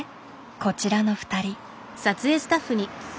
こちらの２人。